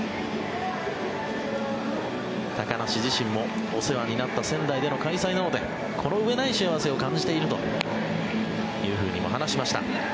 高梨自身もお世話になった仙台での開催なのでこのうえない幸せを感じていると話しました。